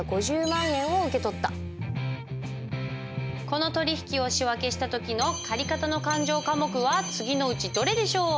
この取引を仕訳した時の借方の勘定科目は次のうちどれでしょう？